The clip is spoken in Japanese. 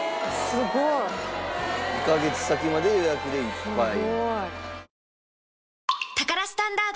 ２カ月先まで予約でいっぱい。